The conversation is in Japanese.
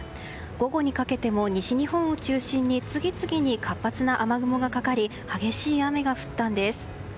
午後にかけても西日本を中心に次々に活発な雨雲がかかり激しい雨が降ったんです。